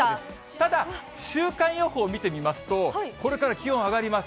ただ、週間予報見てみますと、これから気温、上がります。